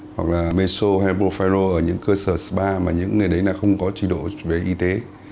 hoặc là meso hay popharo ở những cơ sở spa mà những người đấy không có trình độ về y tế